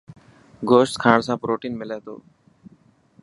گوشت کاڻ سان پروٽين ملي ٿو.